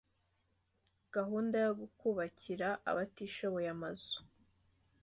gahunda yo kubakira abatishoboye amazu